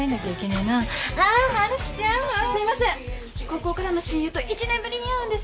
高校からの親友と１年ぶりに会うんです。